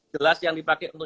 gelas yang dipakai untuk